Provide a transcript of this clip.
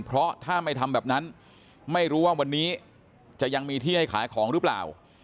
เพราะถ้าไม่ทำแบบนั้นไม่รู้ว่าวันนี้จะยังมีที่ให้ขายของหรือเปล่า